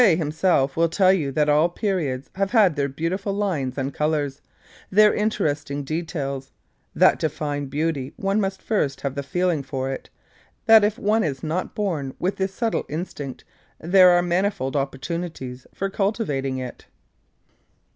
Tappé himself will tell you that all periods have had their beautiful lines and colours; their interesting details; that to find beauty one must first have the feeling for it; that if one is not born with this subtle instinct, there are manifold opportunities for cultivating it.